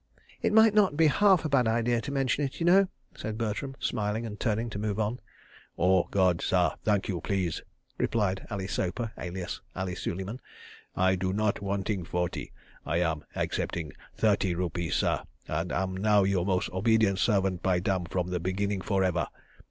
"It might not be half a bad idea to mention it, y'know," said Bertram, smiling and turning to move on. "Oh, God, sah, thank you, please," replied Ali Sloper, alias Ali Suleiman. "I do not wanting forty. I am accepting thirty rupees, sah, and am now your mos' obedient servant by damn from the beginning for ever.